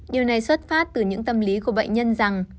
điều này xuất phát từ những tâm lý của bệnh nhân rằng